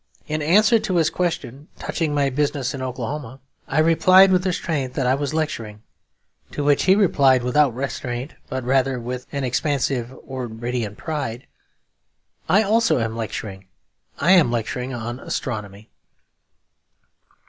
In answer to his question, touching my business in Oklahoma, I replied with restraint that I was lecturing. To which he replied without restraint, but rather with an expansive and radiant pride, 'I also am lecturing. I am lecturing on astronomy.'